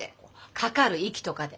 かかる息とかで。